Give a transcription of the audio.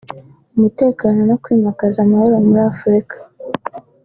umutekano no kwimakaza amahoro muri Afurika